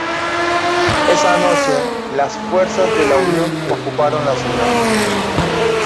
Esa noche, las fuerzas de la Unión, ocuparon la ciudad.